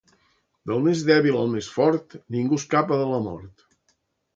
Del més dèbil al més fort, ningú escapa a la mort.